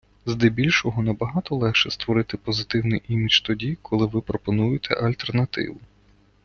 Здебільшого набагато легше створити позитивний імідж тоді, коли ви пропонуєте альтернативу.